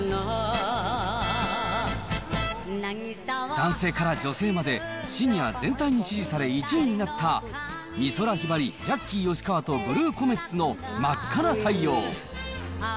男性から女性まで、シニア全体に支持され、１位になった、美空ひばり、ジャッキー吉川とブルー・コメッツの真赤な太陽。